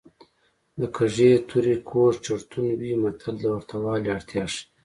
د کږې تورې کوږ چړتون وي متل د ورته والي اړتیا ښيي